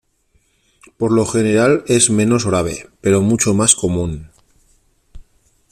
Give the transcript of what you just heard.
Por lo general es menos grave, pero mucho más común.